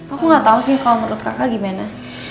aku gak tau sih kalau menurut kakak gimana